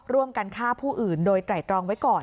ร่วมกันฆ่าผู้อื่นโดยไตรตรองไว้ก่อน